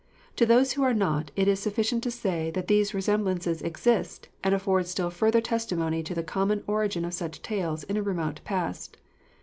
To those who are not, it is sufficient to say that these resemblances exist, and afford still further testimony to the common origin of such tales in a remote past.